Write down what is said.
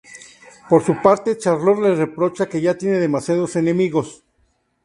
Por su parte, Charlotte le reprocha que ya tiene demasiados enemigos.